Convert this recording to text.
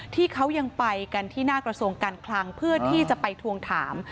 ที่เขายังไปกันที่หน้ากระทรวงการคลังเพื่อที่จะไปทวงถาม